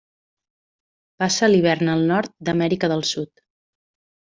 Passa l'hivern al nord d'Amèrica del Sud.